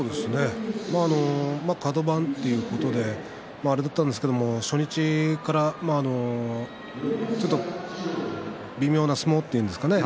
カド番ということであれだったんですけど初日から、ちょっと微妙な相撲というんですかね